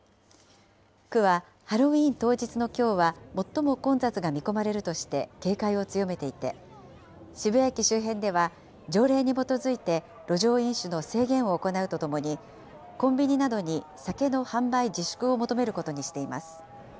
区はハロウィーン当日のきょうは最も混雑が見込まれるとして、警戒を強めていて、渋谷駅周辺では、条例に基づいて路上飲酒の制限を行うとともに、コンビニなどに酒の販売自粛を求めることにしています。